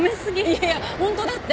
いやいやホントだって。